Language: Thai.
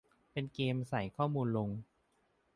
เป็นเกมส์ใส่ข้อมูลลง